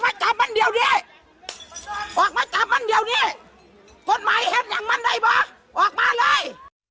ออกมาจับมันเดี๋ยวเนี่ยกฎหมายเฮ็ดอย่างมันได้บ้าออกมาเลย